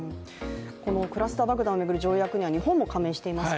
クラスター爆弾を巡る条約には日本も加盟しています。